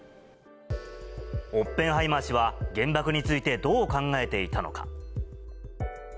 オッペンハイマー氏は、原爆についてどう考えていたのか。